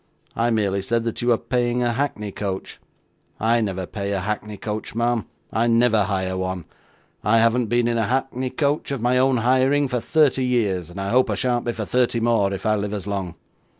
I merely said that you were paying a hackney coach. I never pay a hackney coach, ma'am; I never hire one. I haven't been in a hackney coach of my own hiring, for thirty years, and I hope I shan't be for thirty more, if I live as long.